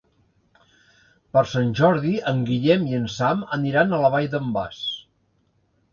Per Sant Jordi en Guillem i en Sam aniran a la Vall d'en Bas.